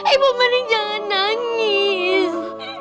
ibu menik jangan nangis